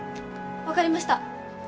分かりました。